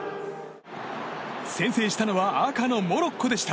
先制したのは赤のモロッコでした。